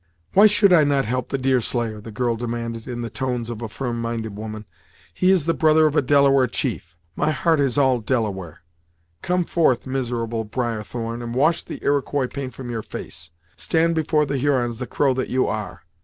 "Why should I not help the Deerslayer?" the girl demanded, in the tones of a firm minded woman. "He is the brother of a Delaware chief; my heart is all Delaware. Come forth, miserable Briarthorn, and wash the Iroquois paint from your face; stand before the Hurons the crow that you are.